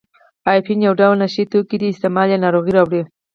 اپین یو ډول نشه یي توکي دي استعمال یې ناروغۍ راوړي.